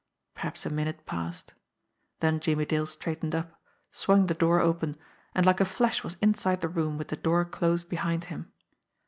Perhaps a minute passed. Then Jimmie Dale straightened jp, swung the door open, and like a flash was inside the room with the door closed behind him.